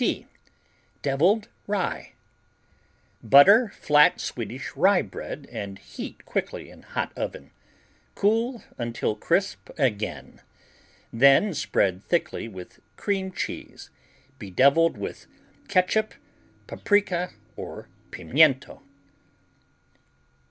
D Deviled Rye Butter flat Swedish rye bread and heat quickly in hot oven. Cool until crisp again. Then spread thickly with cream cheese, bedeviled with catsup, paprika or pimiento.